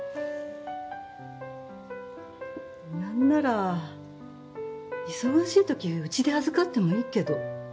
なんなら忙しいときうちで預かってもいいけど。